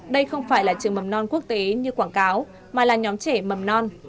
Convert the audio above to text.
đây không phải là trường mầm non quốc tế như quảng cáo mà là nhóm trẻ mầm non